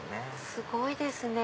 すごいですね。